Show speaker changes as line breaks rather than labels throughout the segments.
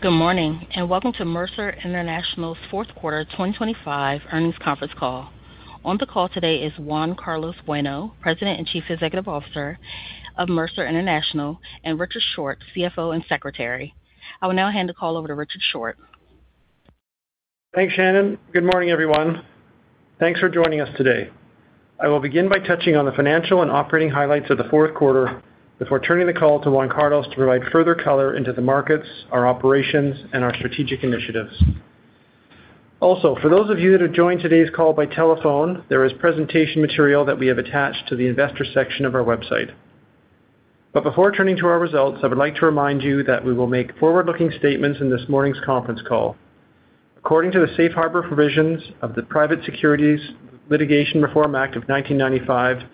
Good morning, and welcome to Mercer International's Q4 2025 earnings conference call. On the call today is Juan Carlos Bueno, President and Chief Executive Officer of Mercer International, and Richard Short, CFO and Secretary. I will now hand the call over to Richard Short.
Thanks, Shannon. Good morning, everyone. Thanks for joining us today. I will begin by touching on the financial and operating highlights of the Q4 before turning the call to Juan Carlos to provide further color into the markets, our operations, and our strategic initiatives. Also, for those of you that have joined today's call by telephone, there is presentation material that we have attached to the investor section of our website. But before turning to our results, I would like to remind you that we will make forward-looking statements in this morning's conference call. According to the safe harbor provisions of the Private Securities Litigation Reform Act of 1995,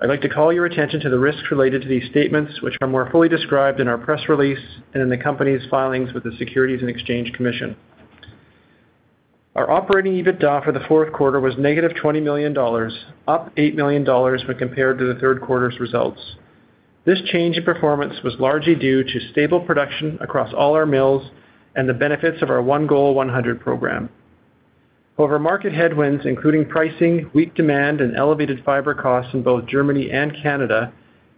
I'd like to call your attention to the risks related to these statements, which are more fully described in our press release and in the company's filings with the Securities and Exchange Commission. Our operating EBITDA for the Q4 was negative $20 million, up $8 million when compared to the Q3's results. This change in performance was largely due to stable production across all our mills and the benefits of our One Goal 100 program. However, market headwinds, including pricing, weak demand, and elevated fiber costs in both Germany and Canada,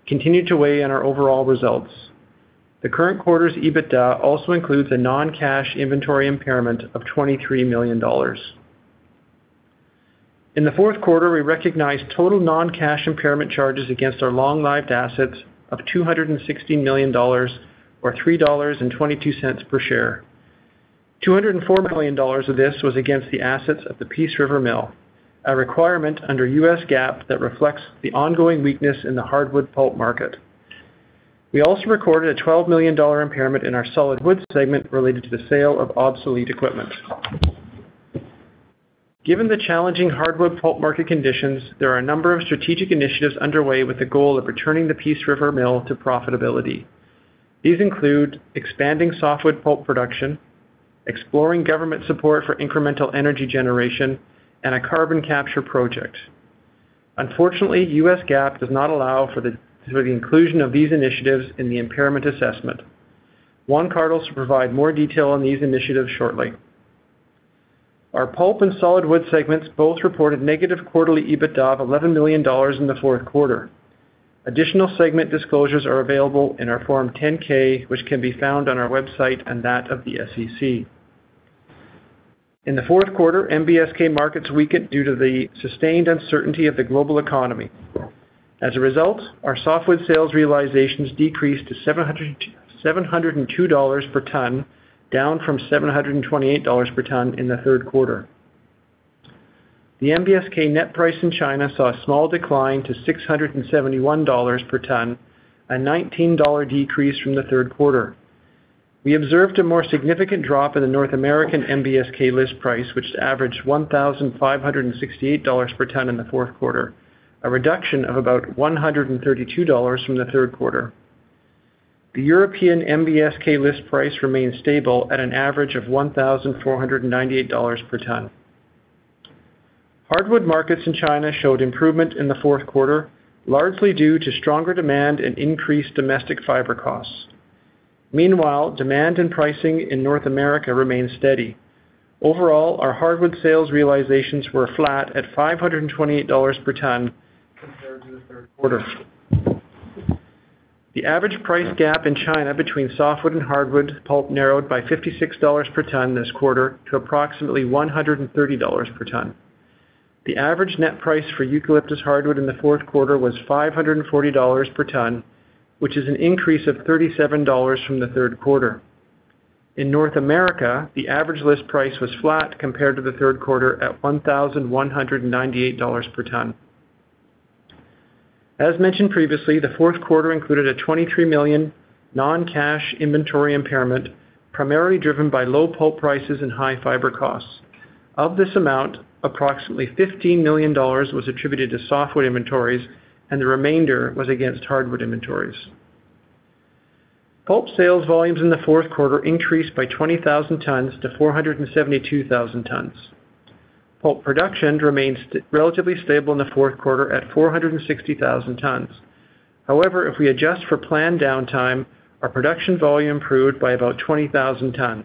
continued to weigh on our overall results. The current quarter's EBITDA also includes a non-cash inventory impairment of $23 million. In the Q4, we recognized total non-cash impairment charges against our long-lived assets of $260 million, or $3.22 per share. $204 million of this was against the assets of the Peace River Mill, a requirement under U.S. GAAP that reflects the ongoing weakness in the hardwood pulp market. We also recorded a $12 million impairment in our solid wood segment related to the sale of obsolete equipment. Given the challenging hardwood pulp market conditions, there are a number of strategic initiatives underway with the goal of returning the Peace River mill to profitability. These include expanding softwood pulp production, exploring government support for incremental energy generation, and a carbon capture project. Unfortunately, U.S. GAAP does not allow for the inclusion of these initiatives in the impairment assessment. Juan Carlos will provide more detail on these initiatives shortly. Our pulp and solid wood segments both reported negative quarterly EBITDA of $11 million in the Q4. Additional segment disclosures are available in our Form 10-K, which can be found on our website and that of the SEC. In the Q4, NBSK markets weakened due to the sustained uncertainty of the global economy. As a result, our softwood sales realizations decreased to $702 per ton, down from $728 per ton in the Q3. The NBSK net price in China saw a small decline to $671 per ton, a $19 decrease from the Q3. We observed a more significant drop in the North American NBSK list price, which averaged $1,568 per ton in the Q4, a reduction of about $132 from the Q3. The European NBSK list price remained stable at an average of $1,498 per ton. Hardwood markets in China showed improvement in the Q4, largely due to stronger demand and increased domestic fiber costs. Meanwhile, demand and pricing in North America remained steady. Overall, our hardwood sales realizations were flat at $528 per ton compared to the Q3. The average price gap in China between softwood and hardwood pulp narrowed by $56 per ton this quarter to approximately $130 per ton. The average net price for eucalyptus hardwood in the Q4 was $540 per ton, which is an increase of $37 from the Q3. In North America, the average list price was flat compared to the Q3 at $1,198 per ton. As mentioned previously, the Q4 included a $23 million non-cash inventory impairment, primarily driven by low pulp prices and high fiber costs. Of this amount, approximately $15 million was attributed to softwood inventories, and the remainder was against hardwood inventories. Pulp sales volumes in the Q4 increased by 20,000 tons to 472,000 tons. Pulp production remains relatively stable in the Q4 at 460,000 tons. However, if we adjust for planned downtime, our production volume improved by about 20,000 tons.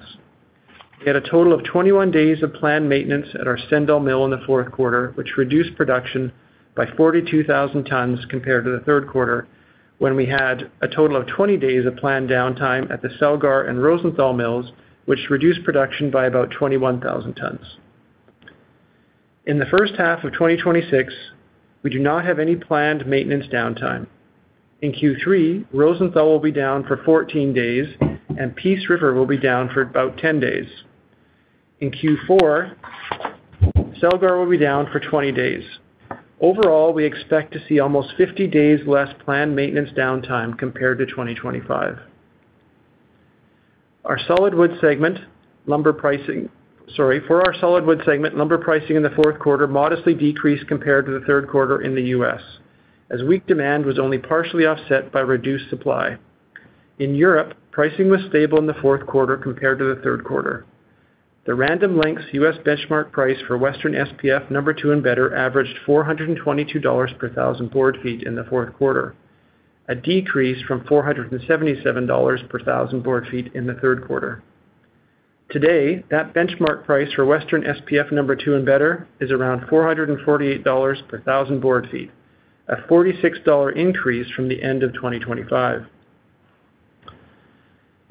We had a total of 21 days of planned maintenance at our Stendal mill in the Q4, which reduced production by 42,000 tons compared to the Q3, when we had a total of 20 days of planned downtime at the Celgar and Rosenthal mills, which reduced production by about 21,000 tons. In the first half of 2026, we do not have any planned maintenance downtime. In Q3, Rosenthal will be down for 14 days, and Peace River will be down for about 10 days. In Q4, Celgar will be down for 20 days. Overall, we expect to see almost 50 days less planned maintenance downtime compared to 2025. Our solid wood segment, lumber pricing—Sorry, for our solid wood segment, lumber pricing in the Q4 modestly decreased compared to the Q3 in the U.S., as weak demand was only partially offset by reduced supply. In Europe, pricing was stable in the Q4 compared to Q3. the Random Lengths U.S. benchmark price for Western SPF number two and better averaged $422 per 1,000 board feet in the Q4, a decrease from $477 per 1,000 board feet in the Q3. Today, that benchmark price for Western SPF number two and better is around $448 per 1,000 board feet, a $46 increase from the end of 2025.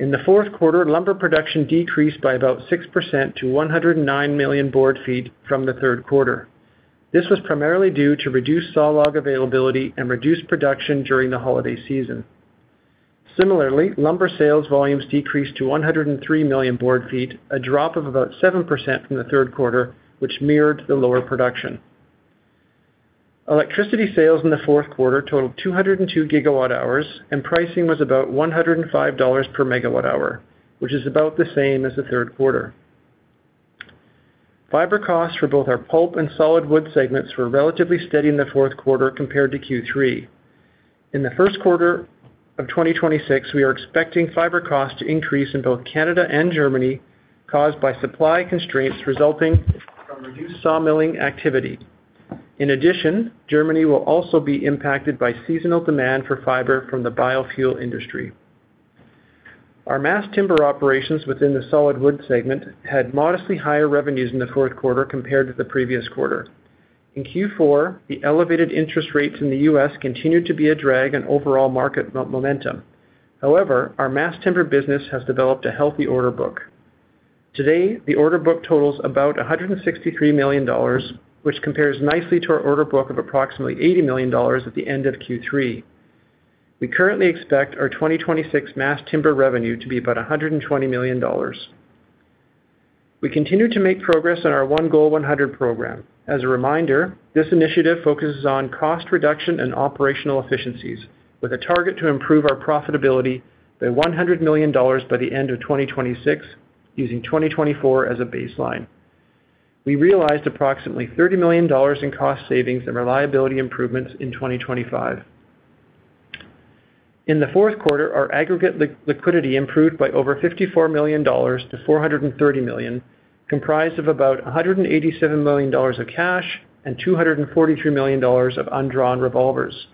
In the Q4, lumber production decreased by about 6% to 109 million board feet from the Q3. This was primarily due to reduced sawlog availability and reduced production during the holiday season. Similarly, lumber sales volumes decreased to 103 million board feet, a drop of about 7% from the Q3, which mirrored the lower production. Electricity sales in the Q4 totaled 202 gigawatt hours, and pricing was about $105 per megawatt hour, which is about the same as the Q3. Fiber costs for both our pulp and solid wood segments were relatively steady in the Q4 compared to Q3. In the Q1 of 2026, we are expecting fiber costs to increase in both Canada and Germany, caused by supply constraints resulting from reduced sawmilling activity. In addition, Germany will also be impacted by seasonal demand for fiber from the biofuel industry. Our mass timber operations within the solid wood segment had modestly higher revenues in the Q4 compared to the previous quarter. In Q4, the elevated interest rates in the U.S. continued to be a drag on overall market momentum. However, our mass timber business has developed a healthy order book. Today, the order book totals about $163 million, which compares nicely to our order book of approximately $80 million at the end of Q3. We currently expect our 2026 mass timber revenue to be about $120 million. We continue to make progress on our One Goal 100 program. As a reminder, this initiative focuses on cost reduction and operational efficiencies, with a target to improve our profitability by $100 million by the end of 2026, using 2024 as a baseline. We realized approximately $30 million in cost savings and reliability improvements in 2025. In the Q4, our aggregate liquidity improved by over $54 million to $430 million, comprised of about $187 million of cash and $243 million of undrawn revolvers.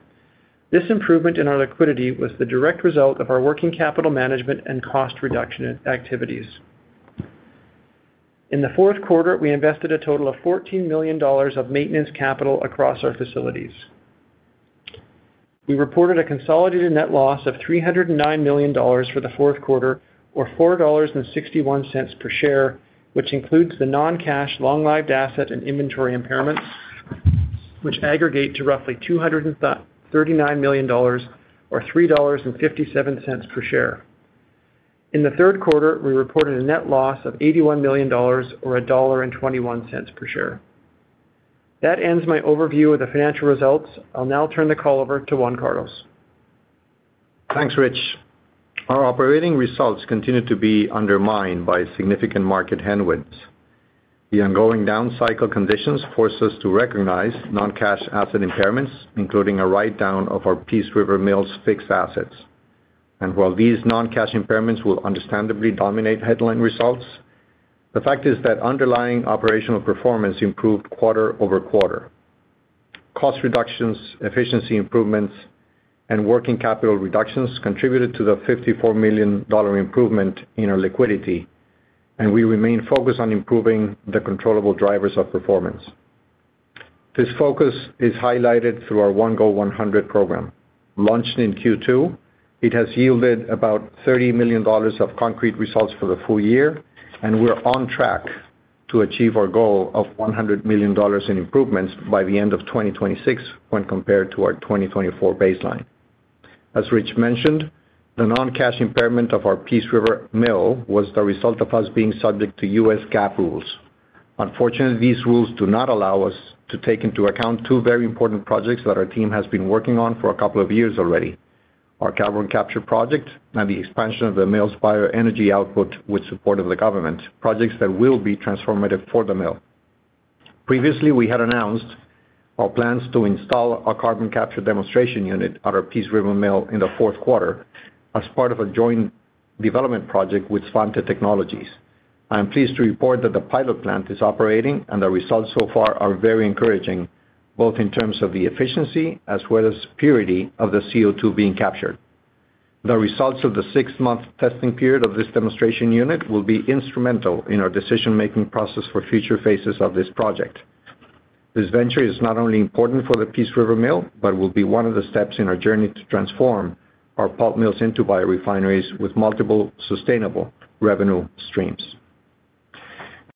This improvement in our liquidity was the direct result of our working capital management and cost reduction activities. In the Q4, we invested a total of $14 million of maintenance capital across our facilities. We reported a consolidated net loss of $309 million for the Q4, or $4.61 per share, which includes the non-cash, long-lived asset and inventory impairments, which aggregate to roughly $239 million, or $3.57 per share. In the Q3, we reported a net loss of $81 million or $1.21 per share. That ends my overview of the financial results. I'll now turn the call over to Juan Carlos.
Thanks, Rich. Our operating results continued to be undermined by significant market headwinds. The ongoing downcycle conditions forced us to recognize non-cash asset impairments, including a write-down of our Peace River Mill's fixed assets. And while these non-cash impairments will understandably dominate headline results, the fact is that underlying operational performance improved quarter-over-quarter. Cost reductions, efficiency improvements, and working capital reductions contributed to the $54 million improvement in our liquidity, and we remain focused on improving the controllable drivers of performance. This focus is highlighted through our One Goal 100 program. Launched in Q2, it has yielded about $30 million of concrete results for the full year, and we're on track to achieve our goal of $100 million in improvements by the end of 2026 when compared to our 2024 baseline. As Rich mentioned, the non-cash impairment of our Peace River Mill was the result of us being subject to U.S. GAAP rules. Unfortunately, these rules do not allow us to take into account two very important projects that our team has been working on for a couple of years already: our carbon capture project and the expansion of the mill's bioenergy output with support of the government, projects that will be transformative for the mill. Previously, we had announced our plans to install a carbon capture demonstration unit at our Peace River Mill in the Q4 as part of a joint development project with Svante Technologies. I am pleased to report that the pilot plant is operating, and the results so far are very encouraging, both in terms of the efficiency as well as purity of the CO2 being captured. The results of the six-month testing period of this demonstration unit will be instrumental in our decision-making process for future phases of this project. This venture is not only important for the Peace River Mill, but will be one of the steps in our journey to transform our pulp mills into biorefineries with multiple sustainable revenue streams.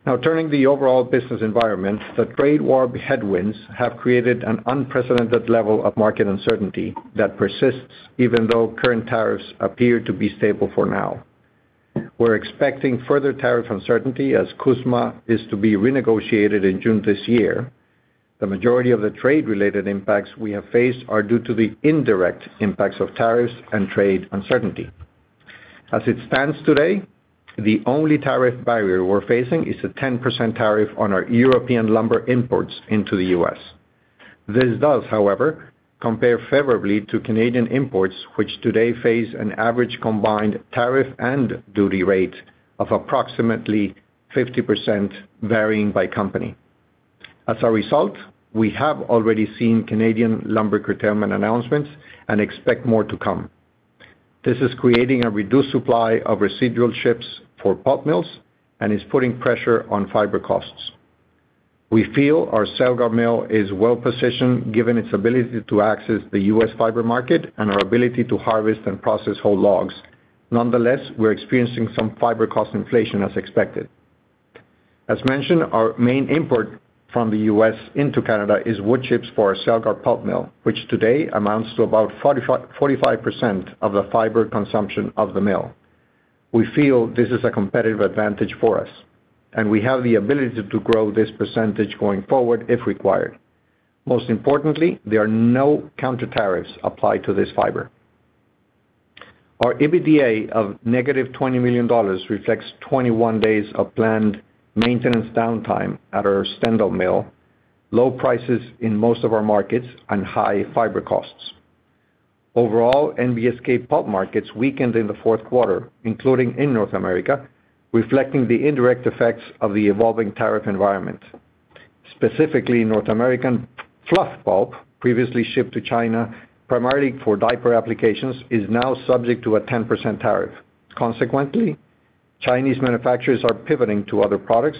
Now, turning to the overall business environment, the trade war headwinds have created an unprecedented level of market uncertainty that persists even though current tariffs appear to be stable for now. We're expecting further tariff uncertainty as CUSMA is to be renegotiated in June this year. The majority of the trade-related impacts we have faced are due to the indirect impacts of tariffs and trade uncertainty. As it stands today, the only tariff barrier we're facing is a 10% tariff on our European lumber imports into the U.S.... This does, however, compare favorably to Canadian imports, which today face an average combined tariff and duty rate of approximately 50%, varying by company. As a result, we have already seen Canadian lumber curtailment announcements and expect more to come. This is creating a reduced supply of residual chips for pulp mills and is putting pressure on fiber costs. We feel our Celgar mill is well-positioned, given its ability to access the U.S. fiber market and our ability to harvest and process whole logs. Nonetheless, we're experiencing some fiber cost inflation as expected. As mentioned, our main import from the U.S. into Canada is wood chips for our Celgar pulp mill, which today amounts to about 45% of the fiber consumption of the mill. We feel this is a competitive advantage for us, and we have the ability to grow this percentage going forward, if required. Most importantly, there are no counter tariffs applied to this fiber. Our EBITDA of -$20 million reflects 21 days of planned maintenance downtime at our Stendal mill, low prices in most of our markets, and high fiber costs. Overall, NBSK pulp markets weakened in the Q4, including in North America, reflecting the indirect effects of the evolving tariff environment. Specifically, North American fluff pulp, previously shipped to China, primarily for diaper applications, is now subject to a 10% tariff. Consequently, Chinese manufacturers are pivoting to other products,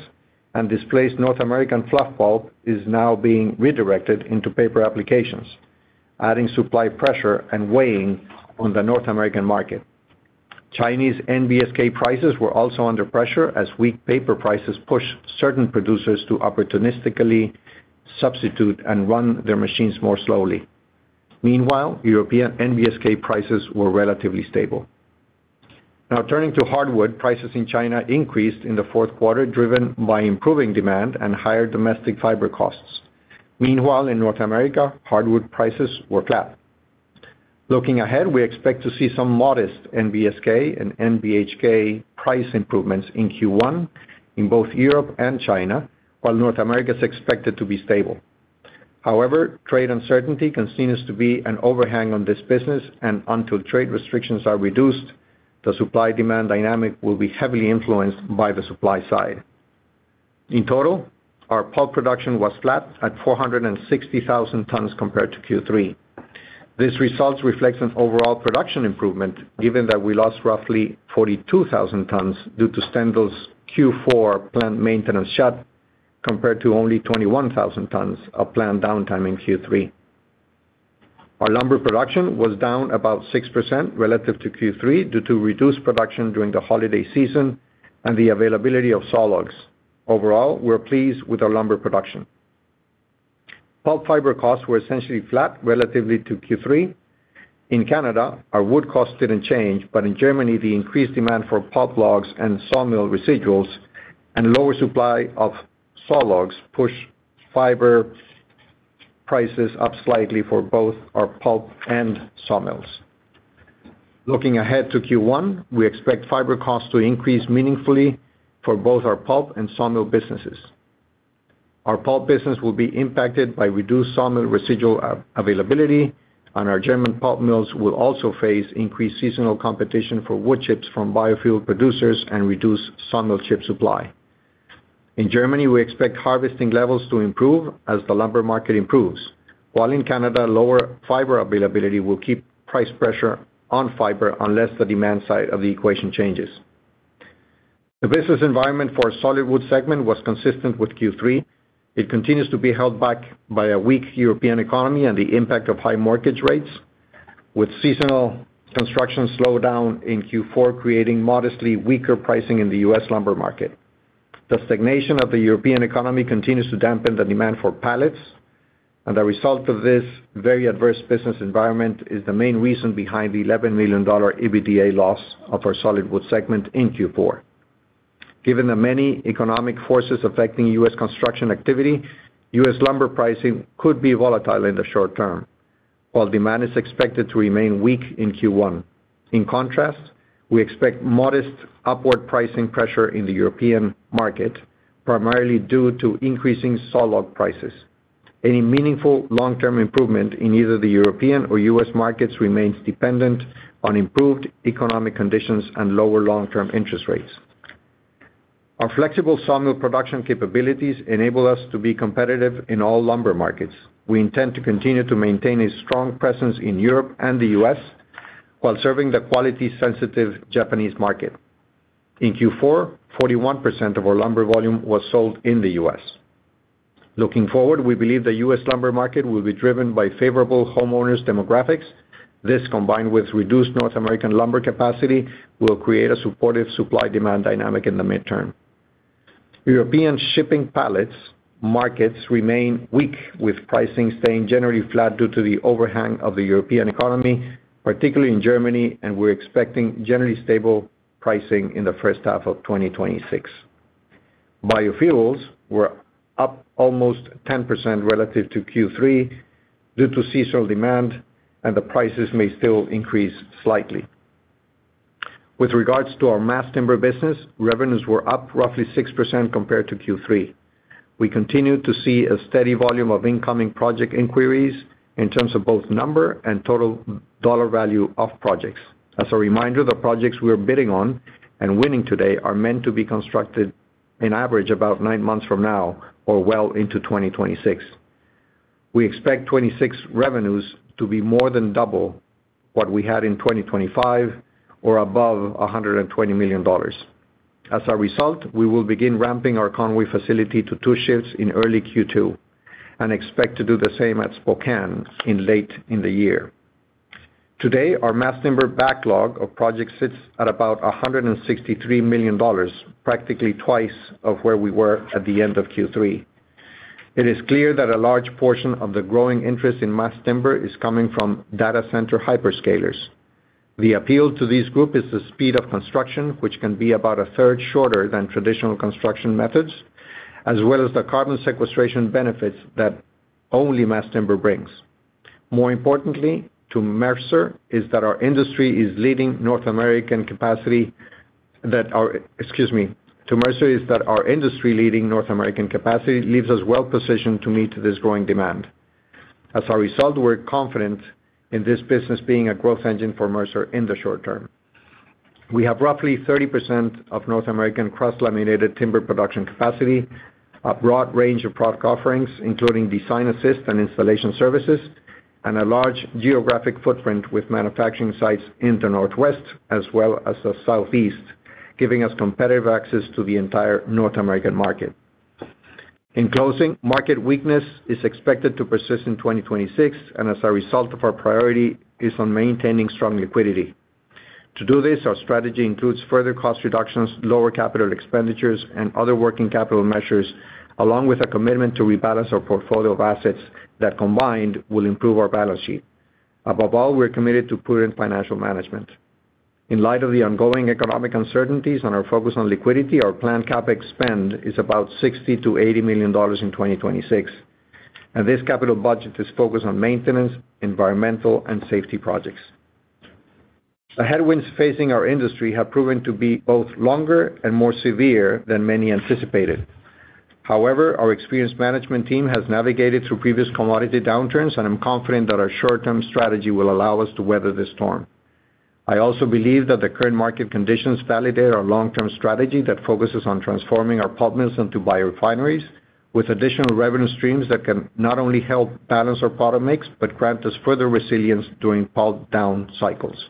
and displaced North American fluff pulp is now being redirected into paper applications, adding supply pressure and weighing on the North American market. Chinese NBSK prices were also under pressure as weak paper prices pushed certain producers to opportunistically substitute and run their machines more slowly. Meanwhile, European NBSK prices were relatively stable. Now turning to hardwood, prices in China increased in the Q4, driven by improving demand and higher domestic fiber costs. Meanwhile, in North America, hardwood prices were flat. Looking ahead, we expect to see some modest NBSK and NBHK price improvements in Q1 in both Europe and China, while North America is expected to be stable. However, trade uncertainty continues to be an overhang on this business, and until trade restrictions are reduced, the supply-demand dynamic will be heavily influenced by the supply side. In total, our pulp production was flat at 460,000 tons compared to Q3. This result reflects an overall production improvement, given that we lost roughly 42,000 tons due to Stendal's Q4 plant maintenance shut, compared to only 21,000 tons of planned downtime in Q3. Our lumber production was down about 6% relative to Q3, due to reduced production during the holiday season and the availability of sawlogs. Overall, we're pleased with our lumber production. Pulp fiber costs were essentially flat relatively to Q3. In Canada, our wood costs didn't change, but in Germany, the increased demand for pulp logs and sawmill residuals and lower supply of sawlogs pushed fiber prices up slightly for both our pulp and sawmills. Looking ahead to Q1, we expect fiber costs to increase meaningfully for both our pulp and sawmill businesses. Our pulp business will be impacted by reduced sawmill residual availability, and our German pulp mills will also face increased seasonal competition for wood chips from biofuel producers and reduce sawmill chip supply. In Germany, we expect harvesting levels to improve as the lumber market improves, while in Canada, lower fiber availability will keep price pressure on fiber unless the demand side of the equation changes. The business environment for solid wood segment was consistent with Q3. It continues to be held back by a weak European economy and the impact of high mortgage rates, with seasonal construction slowdown in Q4, creating modestly weaker pricing in the U.S. lumber market. The stagnation of the European economy continues to dampen the demand for pallets, and the result of this very adverse business environment is the main reason behind the $11 million EBITDA loss of our solid wood segment in Q4. Given the many economic forces affecting U.S. construction activity, U.S. lumber pricing could be volatile in the short term, while demand is expected to remain weak in Q1. In contrast, we expect modest upward pricing pressure in the European market, primarily due to increasing sawlog prices. Any meaningful long-term improvement in either the European or U.S. markets remains dependent on improved economic conditions and lower long-term interest rates. Our flexible sawmill production capabilities enable us to be competitive in all lumber markets. We intend to continue to maintain a strong presence in Europe and the U.S. while serving the quality-sensitive Japanese market. In Q4, 41% of our lumber volume was sold in the U.S. Looking forward, we believe the U.S. lumber market will be driven by favorable homeowners demographics. This, combined with reduced North American lumber capacity, will create a supportive supply-demand dynamic in the mid-term. European shipping pallets markets remain weak, with pricing staying generally flat due to the overhang of the European economy, particularly in Germany, and we're expecting generally stable pricing in the first half of 2026. Biofuels were up almost 10% relative to Q3 due to seasonal demand, and the prices may still increase slightly. With regards to our mass timber business, revenues were up roughly 6% compared to Q3. We continue to see a steady volume of incoming project inquiries in terms of both number and total dollar value of projects. As a reminder, the projects we're bidding on and winning today are meant to be constructed in average about 9 months from now or well into 2026. We expect 2026 revenues to be more than double what we had in 2025 or above $120 million. As a result, we will begin ramping our Conway facility to two shifts in early Q2, and expect to do the same at Spokane in late in the year. Today, our mass timber backlog of projects sits at about $163 million, practically twice of where we were at the end of Q3. It is clear that a large portion of the growing interest in mass timber is coming from data center hyperscalers. The appeal to this group is the speed of construction, which can be about a third shorter than traditional construction methods, as well as the carbon sequestration benefits that only mass timber brings. More importantly, to Mercer, is that our industry-leading North American capacity leaves us well positioned to meet this growing demand. As a result, we're confident in this business being a growth engine for Mercer in the short term. We have roughly 30% of North American cross-laminated timber production capacity, a broad range of product offerings, including design-assist and installation services, and a large geographic footprint with manufacturing sites in the Northwest as well as the Southeast, giving us competitive access to the entire North American market. In closing, market weakness is expected to persist in 2026, and, as a result, our priority is on maintaining strong liquidity. To do this, our strategy includes further cost reductions, lower capital expenditures, and other working capital measures, along with a commitment to rebalance our portfolio of assets that combined will improve our balance sheet. Above all, we're committed to prudent financial management. In light of the ongoing economic uncertainties and our focus on liquidity, our planned CapEx spend is about $60 million-$80 million in 2026, and this capital budget is focused on maintenance, environmental, and safety projects. The headwinds facing our industry have proven to be both longer and more severe than many anticipated. However, our experienced management team has navigated through previous commodity downturns, and I'm confident that our short-term strategy will allow us to weather this storm. I also believe that the current market conditions validate our long-term strategy that focuses on transforming our pulp mills into biorefineries, with additional revenue streams that can not only help balance our product mix, but grant us further resilience during pulp down cycles.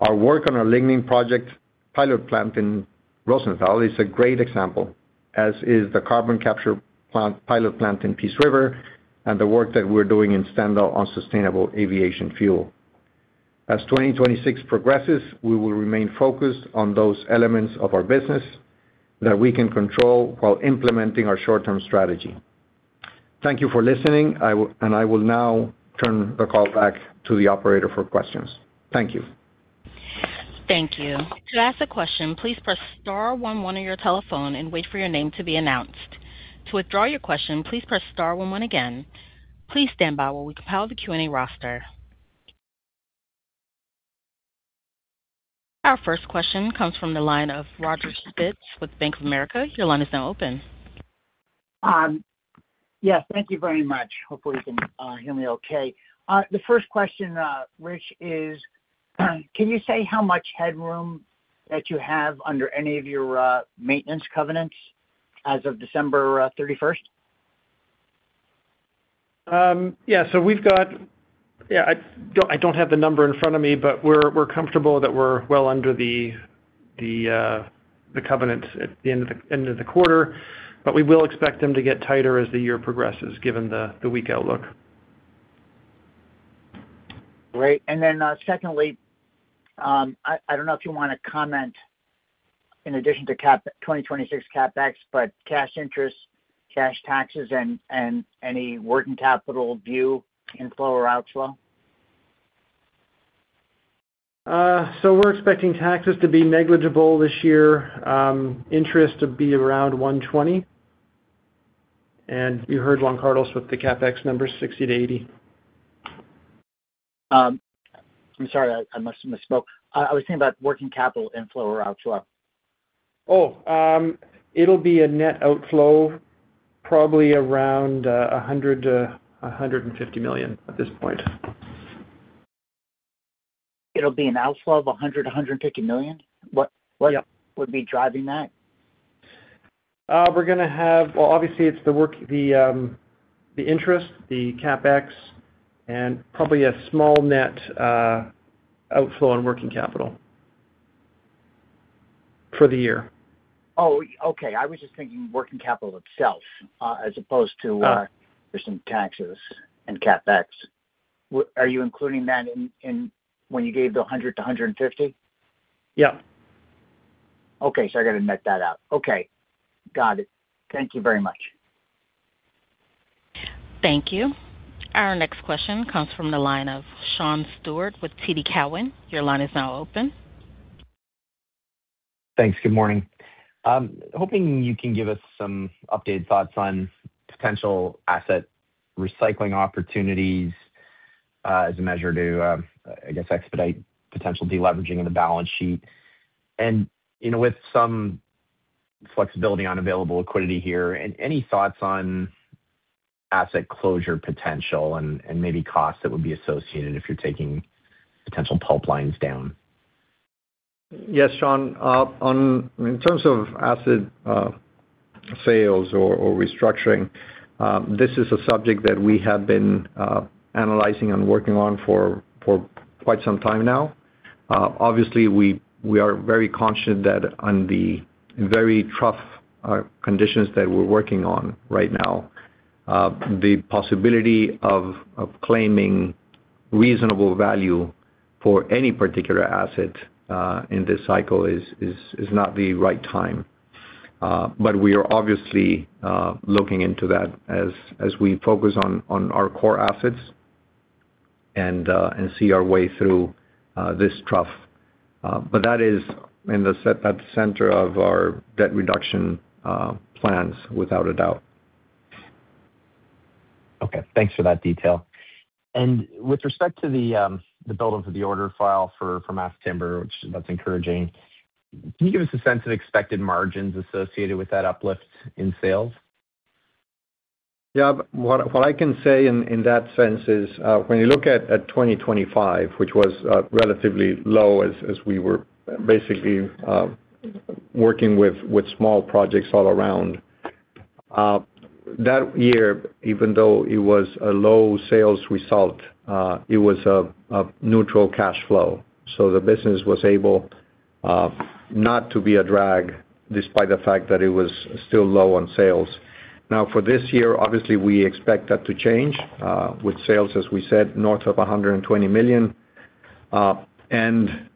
Our work on our lignin project pilot plant in Rosenthal is a great example, as is the carbon capture plant, pilot plant in Peace River and the work that we're doing in Stendal on sustainable aviation fuel. As 2026 progresses, we will remain focused on those elements of our business that we can control while implementing our short-term strategy. Thank you for listening. I will now turn the call back to the operator for questions. Thank you.
Thank you. To ask a question, please press star one one on your telephone and wait for your name to be announced. To withdraw your question, please press star one one again. Please stand by while we compile the Q&A roster. Our first question comes from the line of Roger Spitz with Bank of America. Your line is now open.
Yes, thank you very much. Hopefully, you can hear me okay. The first question, Rich, is, can you say how much headroom that you have under any of your maintenance covenants as of December thirty-first?
Yeah, so we've got... Yeah, I don't have the number in front of me, but we're comfortable that we're well under the covenants at the end of the quarter, but we will expect them to get tighter as the year progresses, given the weak outlook.
Great. And then, secondly, I don't know if you wanna comment in addition to 2026 CapEx, but cash interest, cash taxes and any working capital view, inflow or outflow?
We're expecting taxes to be negligible this year, interest to be around $120, and you heard Juan Carlos with the CapEx numbers, $60-$80.
I'm sorry, I must have misspoke. I was thinking about working capital inflow or outflow.
Oh, it'll be a net outflow, probably around $100 million-$150 million at this point.
It'll be an outflow of $100 million-$150 million?
Yep.
What, what would be driving that?
Well, obviously, it's the work, the interest, the CapEx, and probably a small net outflow on working capital for the year.
Oh, okay. I was just thinking working capital itself, as opposed to- Recent taxes and CapEx. Are you including that in when you gave the $100-$150?
Yep.
Okay, so I got to net that out. Okay, got it. Thank you very much.
Thank you. Our next question comes from the line of Sean Steuart with TD Cowen. Your line is now open....
Thanks. Good morning. Hoping you can give us some updated thoughts on potential asset recycling opportunities, as a measure to, I guess, expedite potential deleveraging of the balance sheet. You know, with some flexibility on available liquidity here, and any thoughts on asset closure potential and maybe costs that would be associated if you're taking potential pulp lines down?
Yes, Sean. In terms of asset sales or restructuring, this is a subject that we have been analyzing and working on for quite some time now. Obviously, we are very conscious of the very tough conditions that we're working on right now, the possibility of claiming reasonable value for any particular asset in this cycle is not the right time. But we are obviously looking into that as we focus on our core assets and see our way through this trough. But that is at the center of our debt reduction plans, without a doubt.
Okay. Thanks for that detail. With respect to the build of the order file for mass timber, which that's encouraging, can you give us a sense of expected margins associated with that uplift in sales?
Yeah. What I can say in that sense is, when you look at 2025, which was relatively low as we were basically working with small projects all around. That year, even though it was a low sales result, it was a neutral cash flow. So the business was able not to be a drag, despite the fact that it was still low on sales. Now, for this year, obviously, we expect that to change, with sales, as we said, north of $120 million, and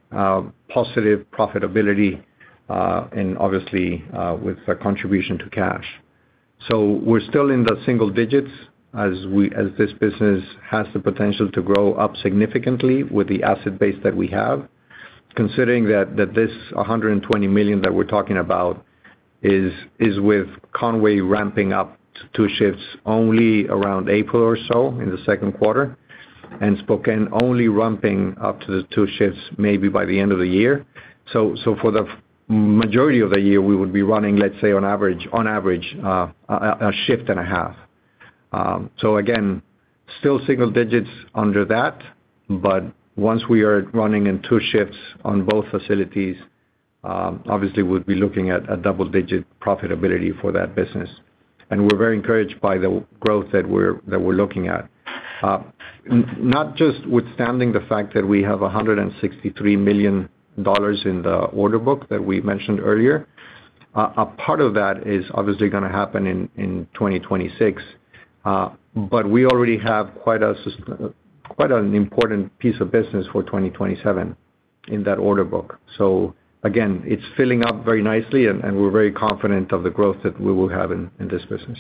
positive profitability, and obviously, with a contribution to cash. So we're still in the single digits as we—as this business has the potential to grow up significantly with the asset base that we have. Considering that this $120 million that we're talking about is with Conway ramping up to two shifts only around APRIL or so in the Q2, and Spokane only ramping up to the two shifts maybe by the end of the year. So for the majority of the year, we would be running, let's say, on average, a shift and a half. So again, still single digits under that, but once we are running in two shifts on both facilities, obviously we'd be looking at a double-digit profitability for that business. And we're very encouraged by the growth that we're looking at. Notwithstanding the fact that we have $163 million in the order book that we mentioned earlier, a part of that is obviously gonna happen in 2026, but we already have quite an important piece of business for 2027 in that order book. So again, it's filling up very nicely, and we're very confident of the growth that we will have in this business.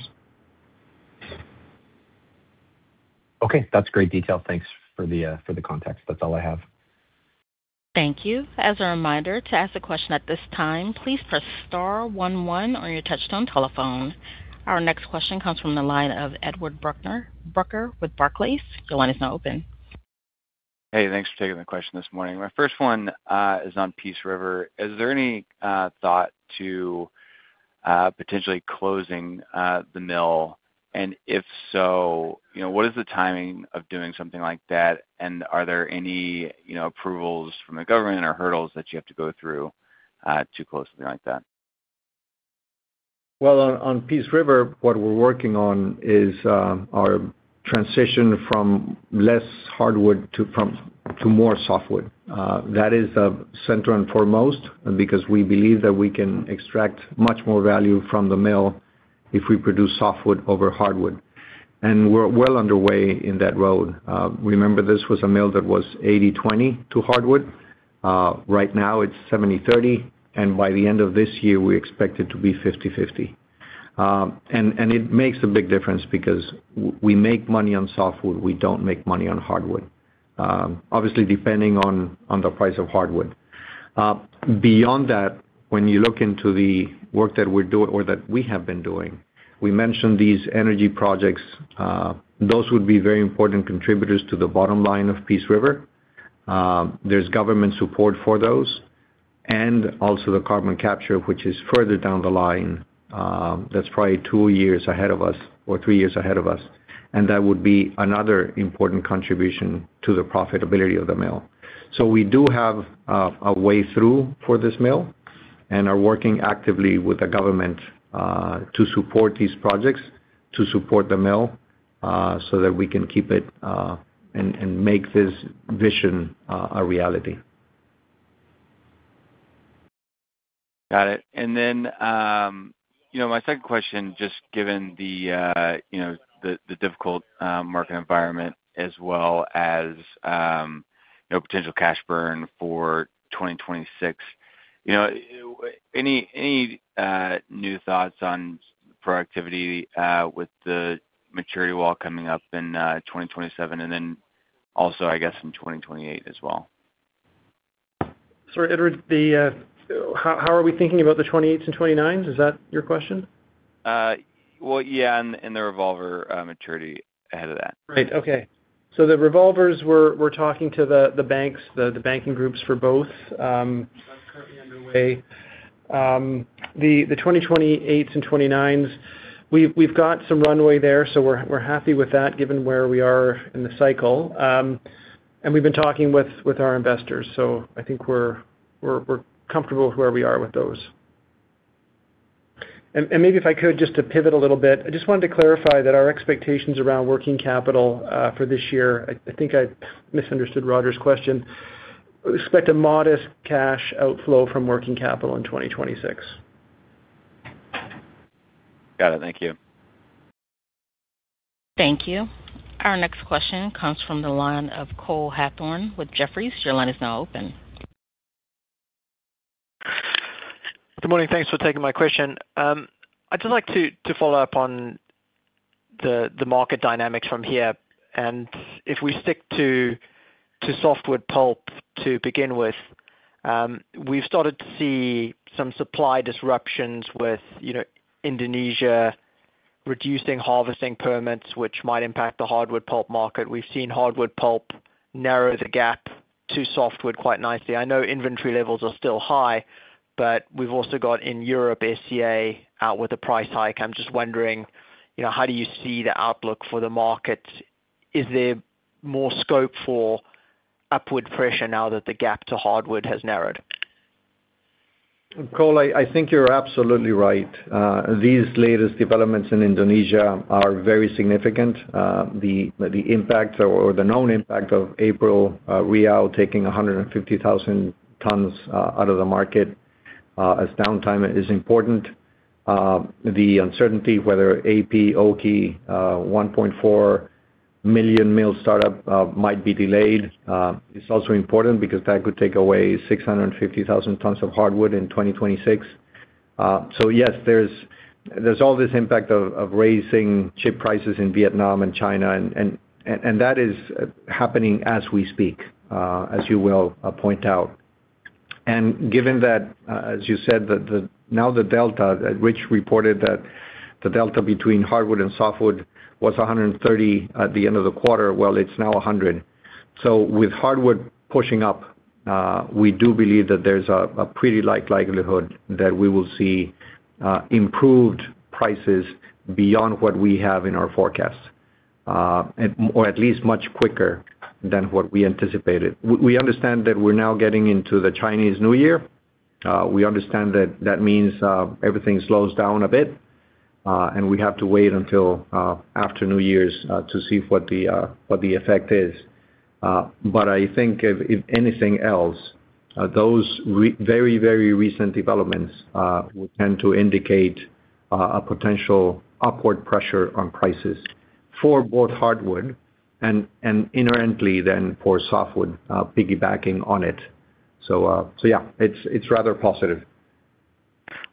Okay, that's great detail. Thanks for the context. That's all I have.
Thank you. As a reminder, to ask a question at this time, please press star one one on your touchtone telephone. Our next question comes from the line of Edward Brucker with Barclays. Your line is now open.
Hey, thanks for taking the question this morning. My first one is on Peace River. Is there any thought to potentially closing the mill? And if so, you know, what is the timing of doing something like that? And are there any, you know, approvals from the government or hurdles that you have to go through to close something like that?
Well, on Peace River, what we're working on is our transition from less hardwood to more softwood. That is of center and foremost, because we believe that we can extract much more value from the mill if we produce softwood over hardwood. And we're well underway in that road. Remember, this was a mill that was 80/20 to hardwood. Right now it's 70/30, and by the end of this year, we expect it to be 50/50. And it makes a big difference because we make money on softwood, we don't make money on hardwood. Obviously, depending on the price of hardwood. Beyond that, when you look into the work that we're doing or that we have been doing, we mentioned these energy projects, those would be very important contributors to the bottom line of Peace River. There's government support for those, and also the carbon capture, which is further down the line, that's probably two years ahead of us or three years ahead of us, and that would be another important contribution to the profitability of the mill. So we do have a way through for this mill and are working actively with the government to support these projects, to support the mill, so that we can keep it, and make this vision a reality.
Got it. And then, you know, my second question, just given the, you know, the, the difficult, market environment as well as, you know, potential cash burn for 2026, you know, any, any, new thoughts on productivity, with the maturity wall coming up in, 2027? And then-... Also, I guess, in 2028 as well.
Sorry, Edward, how are we thinking about the 2028s and 2029s? Is that your question?
Well, yeah, in the revolver maturity ahead of that.
Right. Okay. So the revolvers, we're talking to the banks, the banking groups for both. That's currently underway. The 2028s and 2029s, we've got some runway there, so we're happy with that, given where we are in the cycle. And we've been talking with our investors, so I think we're comfortable with where we are with those. And maybe if I could, just to pivot a little bit, I just wanted to clarify that our expectations around working capital for this year, I think I misunderstood Roger's question. We expect a modest cash outflow from working capital in 2026.
Got it. Thank you.
Thank you. Our next question comes from the line of Cole Hathorn with Jefferies. Your line is now open.
Good morning. Thanks for taking my question. I'd just like to follow up on the market dynamics from here. If we stick to softwood pulp to begin with, we've started to see some supply disruptions with, you know, Indonesia reducing harvesting permits, which might impact the hardwood pulp market. We've seen hardwood pulp narrow the gap to softwood quite nicely. I know inventory levels are still high, but we've also got in Europe, SCA out with a price hike. I'm just wondering, you know, how do you see the outlook for the market? Is there more scope for upward pressure now that the gap to hardwood has narrowed?
Cole, I think you're absolutely right. These latest developments in Indonesia are very significant. The impact or the known impact of APRIL, Riau taking 150,000 tons out of the market as downtime is important. The uncertainty whether APP OKI, 1.4 million mill startup, might be delayed, is also important because that could take away 650,000 tons of hardwood in 2026. So yes, there's all this impact of raising chip prices in Vietnam and China, and that is happening as we speak, as you well point out. And given that, as you said, that the... Now the delta that Rich reported, that the delta between hardwood and softwood was 130 at the end of the quarter, well, it's now 100. So with hardwood pushing up, we do believe that there's a pretty like likelihood that we will see improved prices beyond what we have in our forecast, or at least much quicker than what we anticipated. We understand that we're now getting into the Chinese New Year. We understand that that means everything slows down a bit, and we have to wait until after New Year's to see what the effect is. But I think if anything else, those very, very recent developments will tend to indicate a potential upward pressure on prices for both hardwood and inherently then for softwood, piggybacking on it. So yeah, it's rather positive.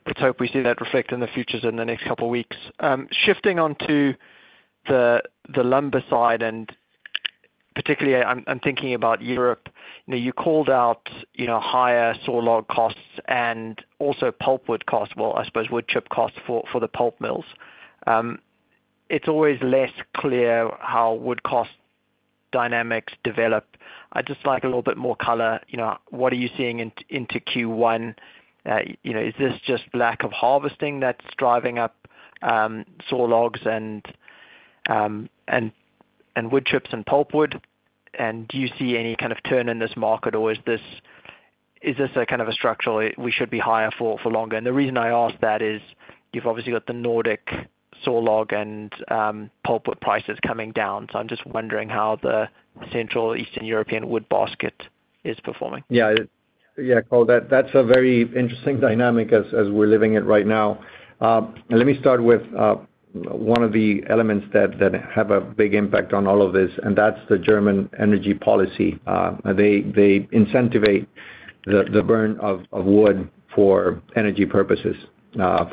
Let's hope we see that reflect in the futures in the next couple of weeks. Shifting on to the lumber side, and particularly, I'm thinking about Europe. Now, you called out, you know, higher saw log costs and also pulpwood costs, well, I suppose wood chip costs for the pulp mills. It's always less clear how wood cost dynamics develop. I'd just like a little bit more color, you know, what are you seeing into Q1? You know, is this just lack of harvesting that's driving up saw logs and wood chips and pulpwood? And do you see any kind of turn in this market, or is this a kind of a structural, we should be higher for longer? The reason I ask that is, you've obviously got the Nordic saw log and pulpwood prices coming down, so I'm just wondering how the Central Eastern European wood basket is performing.
Yeah. Yeah, Cole, that's a very interesting dynamic as we're living it right now. Let me start with one of the elements that have a big impact on all of this, and that's the German energy policy. They incentivize the burn of wood for energy purposes,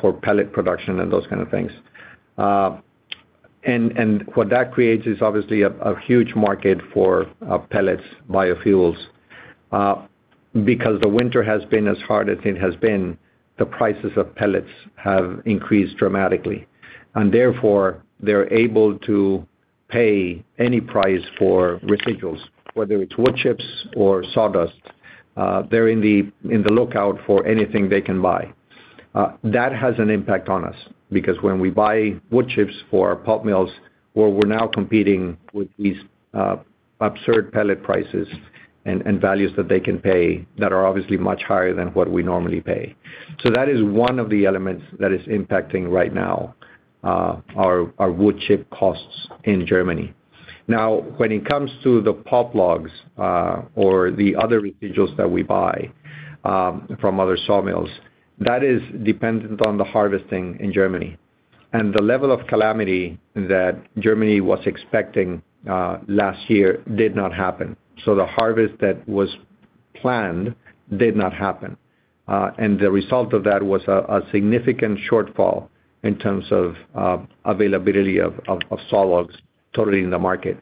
for pellet production and those kind of things. And what that creates is obviously a huge market for pellets, biofuels. Because the winter has been as hard as it has been, the prices of pellets have increased dramatically, and therefore, they're able to pay any price for residuals, whether it's wood chips or sawdust, they're in the lookout for anything they can buy. That has an impact on us because when we buy wood chips for our pulp mills, well, we're now competing with these absurd pellet prices and values that they can pay that are obviously much higher than what we normally pay. So that is one of the elements that is impacting right now our wood chip costs in Germany. Now, when it comes to the pulp logs or the other residuals that we buy from other sawmills, that is dependent on the harvesting in Germany. The level of calamity that Germany was expecting last year did not happen. So the harvest that was planned did not happen. And the result of that was a significant shortfall in terms of availability of sawlogs totally in the market.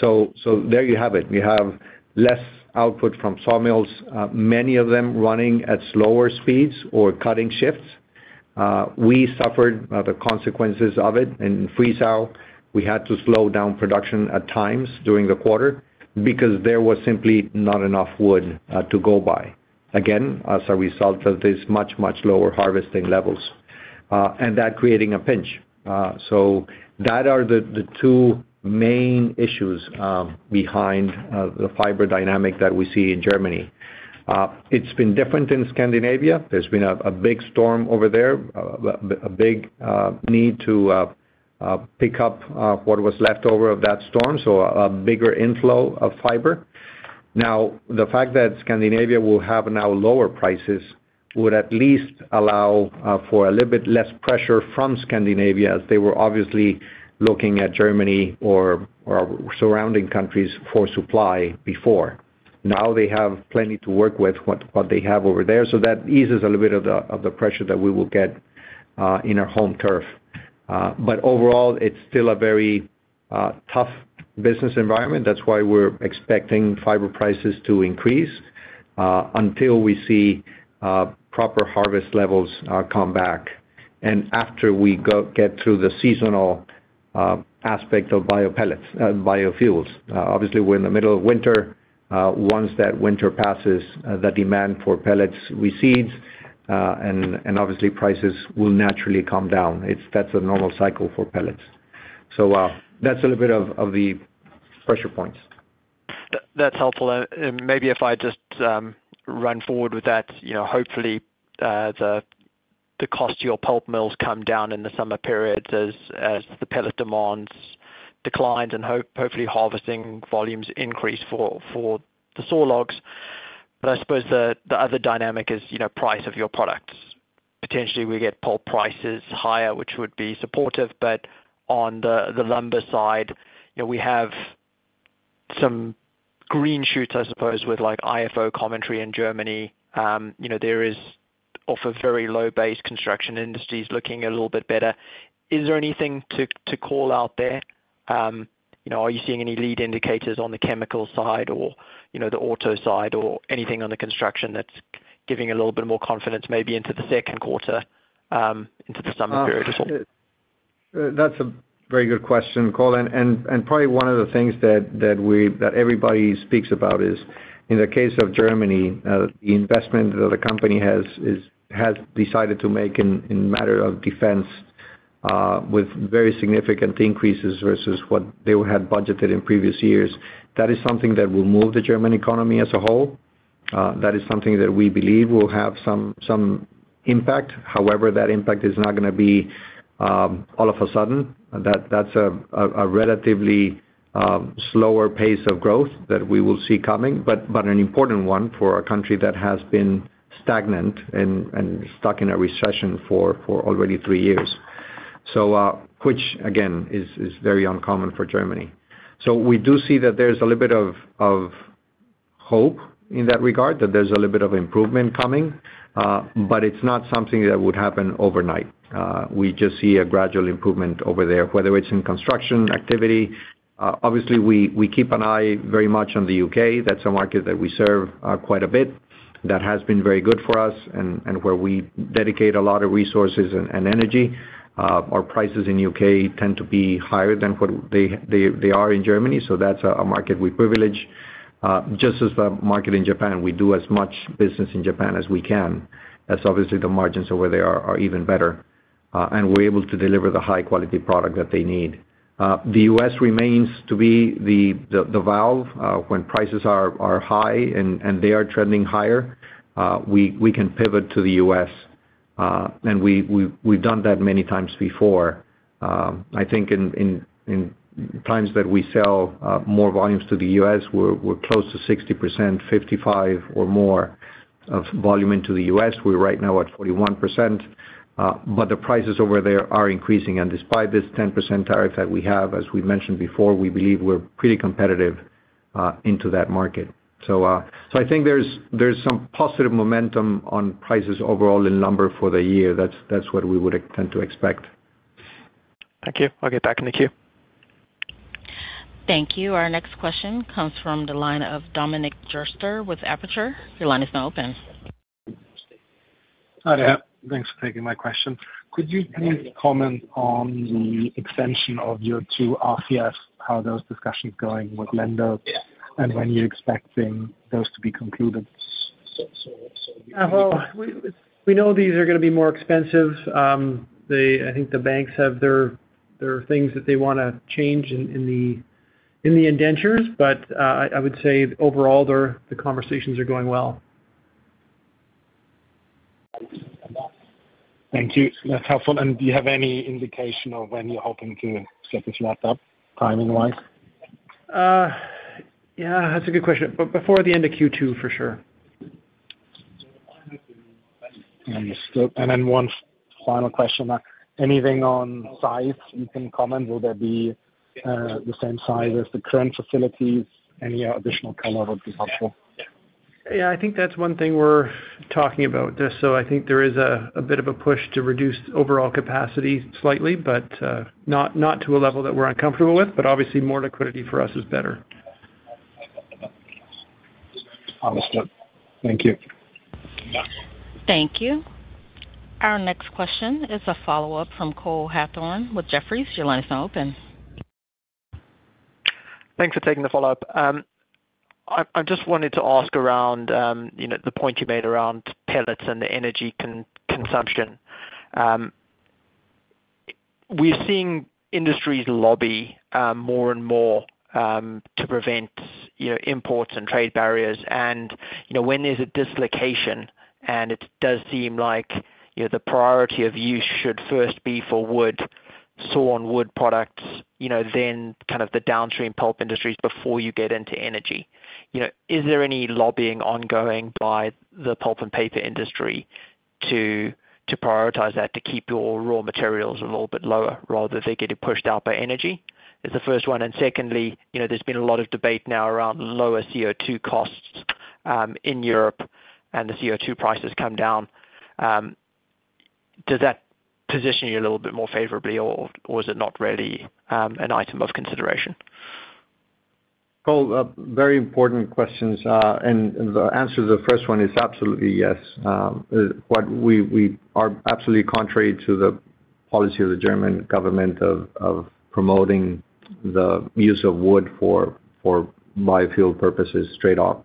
So there you have it. You have less output from sawmills, many of them running at slower speeds or cutting shifts. We suffered the consequences of it. In Friesau, we had to slow down production at times during the quarter because there was simply not enough wood to go by, again, as a result of this much, much lower harvesting levels, and that creating a pinch. So that are the, the two main issues behind the fiber dynamic that we see in Germany. It's been different in Scandinavia. There's been a big storm over there, a big need to pick up what was left over of that storm, so a bigger inflow of fiber. Now, the fact that Scandinavia will have now lower prices would at least allow for a little bit less pressure from Scandinavia, as they were obviously looking at Germany or surrounding countries for supply before. Now they have plenty to work with, what they have over there, so that eases a little bit of the pressure that we will get in our home turf. But overall, it's still a very tough business environment. That's why we're expecting fiber prices to increase until we see proper harvest levels come back. And after we get through the seasonal aspect of bio pellets, biofuels. Obviously, we're in the middle of winter. Once that winter passes, the demand for pellets recedes, and obviously prices will naturally come down. That's a normal cycle for pellets. That's a little bit of the pressure points.
That's helpful. And maybe if I just run forward with that, you know, hopefully the cost to your pulp mills come down in the summer periods as the pellet demands declines, and hopefully harvesting volumes increase for the sawlogs. But I suppose the other dynamic is, you know, price of your products. Potentially, we get pulp prices higher, which would be supportive, but on the lumber side, you know, we have some green shoots, I suppose, with like IFO commentary in Germany. You know, there is off a very low base construction industries looking a little bit better. Is there anything to call out there? You know, are you seeing any lead indicators on the chemical side or, you know, the auto side or anything on the construction that's giving a little bit more confidence maybe into the Q2, into the summer period as well?
That's a very good question, Cole, and probably one of the things that everybody speaks about is, in the case of Germany, the investment that the company has decided to make in matter of defense, with very significant increases versus what they had budgeted in previous years. That is something that will move the German economy as a whole. That is something that we believe will have some impact. However, that impact is not gonna be all of a sudden. That's a relatively slower pace of growth that we will see coming, but an important one for a country that has been stagnant and stuck in a recession for already three years, which again, is very uncommon for Germany. So we do see that there's a little bit of hope in that regard, that there's a little bit of improvement coming, but it's not something that would happen overnight. We just see a gradual improvement over there, whether it's in construction activity. Obviously, we keep an eye very much on the U.K. That's a market that we serve quite a bit. That has been very good for us and where we dedicate a lot of resources and energy. Our prices in U.K. tend to be higher than what they are in Germany, so that's a market we privilege. Just as the market in Japan, we do as much business in Japan as we can, as obviously the margins over there are even better, and we're able to deliver the high quality product that they need. The U.S. remains to be the valve. When prices are high and they are trending higher, we can pivot to the U.S., and we, we've done that many times before. I think in times that we sell more volumes to the U.S., we're close to 60%, 55 or more of volume into the U.S. We're right now at 41%, but the prices over there are increasing. And despite this 10% tariff that we have, as we've mentioned before, we believe we're pretty competitive into that market. So, I think there's some positive momentum on prices overall in lumber for the year. That's what we would tend to expect.
Thank you. I'll get back in the queue.
Thank you. Our next question comes from the line of Dominik Jester with Aperta. Your line is now open.
Hi there. Thanks for taking my question. Could you please comment on the extension of your two RCFs, how those discussions are going with lenders, and when you're expecting those to be concluded?
Well, we know these are gonna be more expensive. I think the banks have their things that they wanna change in the indentures, but I would say overall, the conversations are going well.
Thank you. That's helpful. Do you have any indication of when you're hoping to get this wrapped up, timing-wise?
Yeah, that's a good question. Before the end of Q2, for sure....
Understood. And then one final question. Anything on size you can comment? Will there be, the same size as the current facilities? Any additional color would be helpful.
Yeah, I think that's one thing we're talking about. So I think there is a, a bit of a push to reduce overall capacity slightly, but, not, not to a level that we're uncomfortable with, but obviously, more liquidity for us is better.
Understood. Thank you.
Thank you. Our next question is a follow-up from Cole Hathorn with Jefferies. Your line is now open.
Thanks for taking the follow-up. I just wanted to ask around, you know, the point you made around pellets and the energy consumption. We're seeing industries lobby more and more to prevent, you know, imports and trade barriers. And, you know, when there's a dislocation, and it does seem like, you know, the priority of use should first be for wood, sawn wood products, you know, then kind of the downstream pulp industries before you get into energy. You know, is there any lobbying ongoing by the pulp and paper industry to prioritize that, to keep your raw materials a little bit lower rather than they getting pushed out by energy? Is the first one. And secondly, you know, there's been a lot of debate now around lower CO2 costs in Europe, and the CO2 prices come down. Does that position you a little bit more favorably, or, or is it not really an item of consideration?
Cole, very important questions. The answer to the first one is absolutely yes. What we are absolutely contrary to the policy of the German government of promoting the use of wood for biofuel purposes straight off.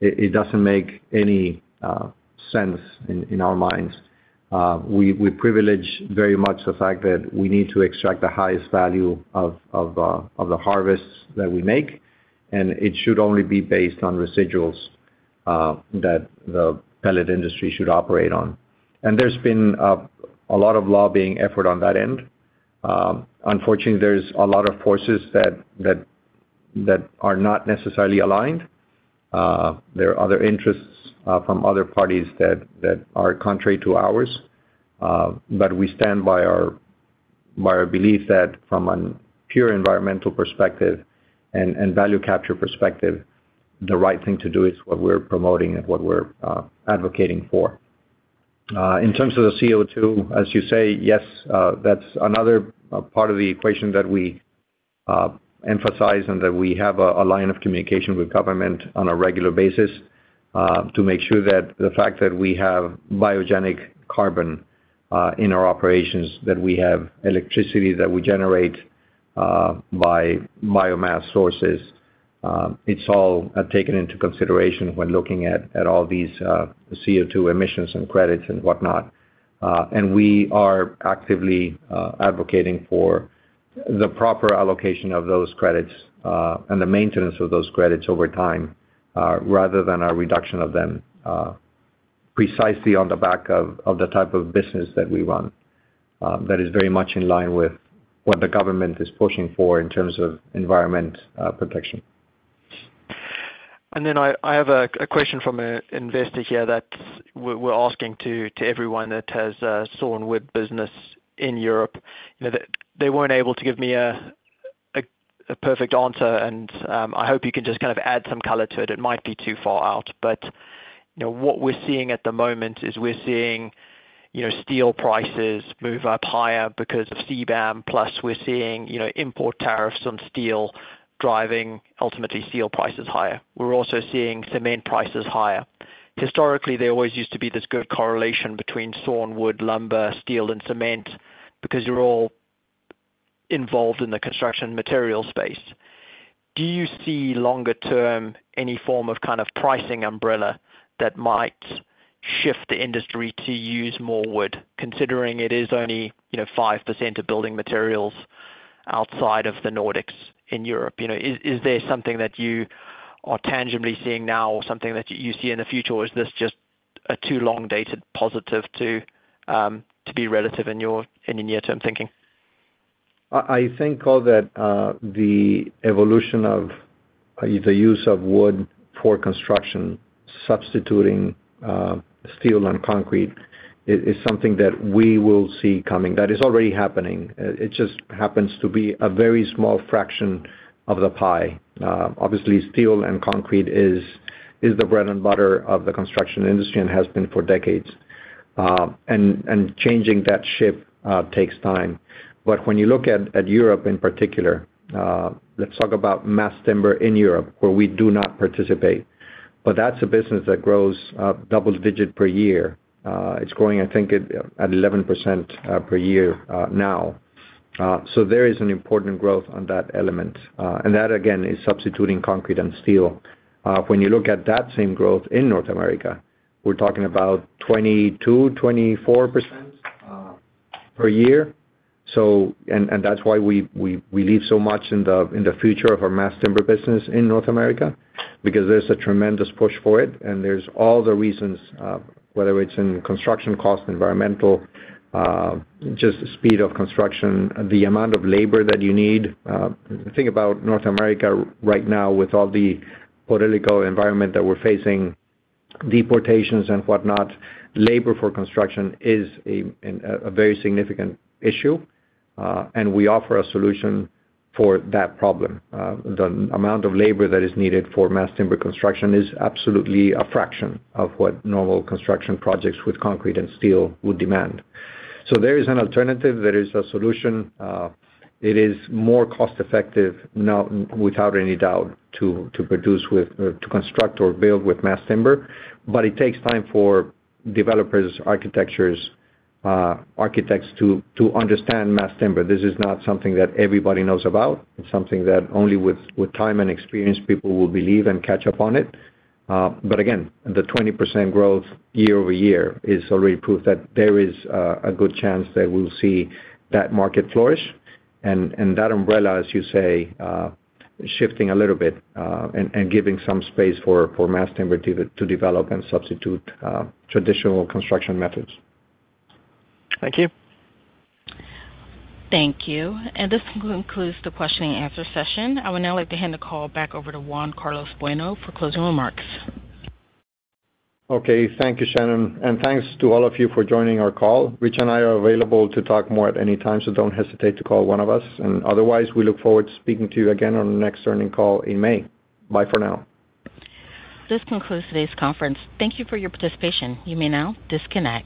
It doesn't make any sense in our minds. We privilege very much the fact that we need to extract the highest value of the harvests that we make, and it should only be based on residuals that the pellet industry should operate on. And there's been a lot of lobbying effort on that end. Unfortunately, there's a lot of forces that are not necessarily aligned. There are other interests from other parties that are contrary to ours. But we stand by our, by our belief that from a pure environmental perspective and, and value capture perspective, the right thing to do is what we're promoting and what we're advocating for. In terms of the CO2, as you say, yes, that's another part of the equation that we emphasize, and that we have a, a line of communication with government on a regular basis, to make sure that the fact that we have biogenic carbon in our operations, that we have electricity that we generate by biomass sources, it's all taken into consideration when looking at all these CO2 emissions and credits and whatnot. We are actively advocating for the proper allocation of those credits, and the maintenance of those credits over time, rather than a reduction of them, precisely on the back of the type of business that we run. That is very much in line with what the government is pushing for in terms of environment protection.
Then I have a question from an investor here that we're asking to everyone that has a sawn wood business in Europe. You know, they weren't able to give me a perfect answer, and I hope you can just kind of add some color to it. It might be too far out. You know, what we're seeing at the moment is we're seeing steel prices move up higher because of CBAM, plus we're seeing import tariffs on steel driving, ultimately, steel prices higher. We're also seeing cement prices higher. Historically, there always used to be this good correlation between sawn wood, lumber, steel, and cement, because they're all involved in the construction material space. Do you see longer term, any form of kind of pricing umbrella that might shift the industry to use more wood, considering it is only, you know, 5% of building materials outside of the Nordics in Europe? You know, is there something that you are tangibly seeing now or something that you see in the future, or is this just a too long dated positive to, to be relative in your in your near-term thinking?
I think, Cole, that the evolution of the use of wood for construction, substituting steel and concrete, is something that we will see coming. That is already happening. It just happens to be a very small fraction of the pie. Obviously, steel and concrete is the bread and butter of the construction industry and has been for decades. And changing that ship takes time. But when you look at Europe, in particular, let's talk about mass timber in Europe, where we do not participate, but that's a business that grows double-digit per year. It's growing, I think, at 11% per year now. So there is an important growth on that element, and that, again, is substituting concrete and steel. When you look at that same growth in North America, we're talking about 22%-24% per year. So... And that's why we believe so much in the future of our mass timber business in North America, because there's a tremendous push for it, and there's all the reasons, whether it's in construction cost, environmental, just the speed of construction, the amount of labor that you need. Think about North America right now with all the political environment that we're facing, deportations and whatnot, labor for construction is a very significant issue, and we offer a solution for that problem. The amount of labor that is needed for mass timber construction is absolutely a fraction of what normal construction projects with concrete and steel would demand. So there is an alternative, there is a solution. It is more cost effective now, without any doubt, to produce with, to construct or build with mass timber, but it takes time for developers, architects to understand mass timber. This is not something that everybody knows about. It's something that only with time and experience, people will believe and catch up on it. But again, the 20% growth year-over-year is already proof that there is a good chance that we'll see that market flourish, and that umbrella, as you say, shifting a little bit, and giving some space for mass timber to develop and substitute traditional construction methods.
Thank you.
Thank you. This concludes the question and answer session. I would now like to hand the call back over to Juan Carlos Bueno for closing remarks.
Okay. Thank you, Shannon, and thanks to all of you for joining our call. Rich and I are available to talk more at any time, so don't hesitate to call one of us. And otherwise, we look forward to speaking to you again on our next earnings call in May. Bye for now.
This concludes today's conference. Thank you for your participation. You may now disconnect.